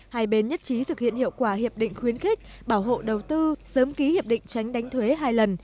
hai bên nhất trí thực hiện hiệu quả hiệp định khuyến khích bảo hộ đầu tư sớm ký hiệp định tránh đánh thuế hai lần